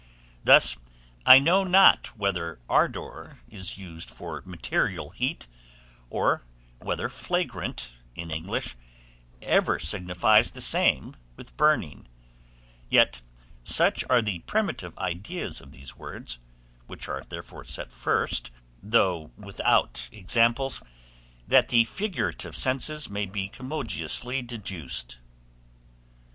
Thus I know not whether ardor is used for material heat, or whether flagrant, in English, ever signifies the same with burning; yet such are the primitive ideas of these words, which are therefore set first, though without examples, that the figurative senses may be commodiously deduced.